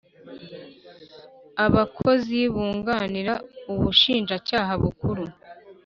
abakozi bunganira ubushinjacyaha bukuru